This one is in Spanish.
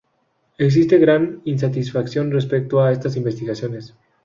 Existe gran insatisfacción respecto a estas investigaciones.